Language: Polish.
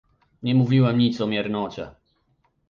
Nie mówiłem nic o miernocie